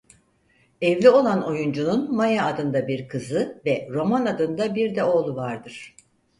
Evli olan oyuncunun Maya adında biz kızı ve Roman adında birde oğlu vardır.